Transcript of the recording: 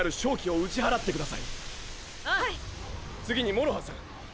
次にもろはさん。